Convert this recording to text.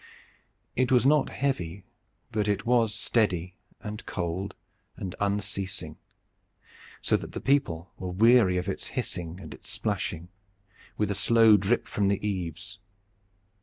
It was not heavy, but it was steady and cold and unceasing, so that the people were weary of its hissing and its splashing, with the slow drip from the eaves.